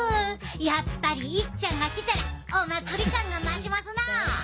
やっぱりいっちゃんが来たらお祭り感が増しますなあ！